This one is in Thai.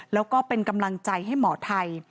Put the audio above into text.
แล้วก็เป็นกำลังใจให้หมอไทย